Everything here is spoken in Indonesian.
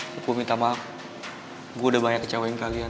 aku minta maaf gue udah banyak kecewain kalian